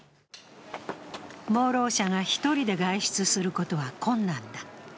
盲ろう者が１人で外出することは困難だ。